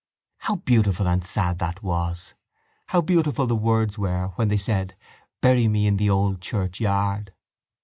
How beautiful and sad that was! How beautiful the words were where they said _Bury me in the old churchyard!